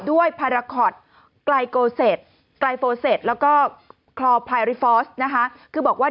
ด้วยพาราคอร์ดกลายโกเซตแล้วก็คลอร์ไพรฟอสนะฮะคือบอกว่า